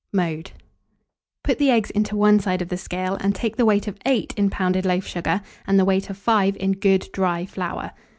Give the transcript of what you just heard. Mode. Put the eggs into one side of the scale, and take the weight of 8 in pounded loaf sugar, and the weight of 5 in good dry flour.